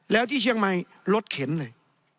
แล้วที่เชียงใหม่รถเข็นเลย